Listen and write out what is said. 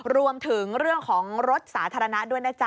รวมถึงเรื่องของรถสาธารณะด้วยนะจ๊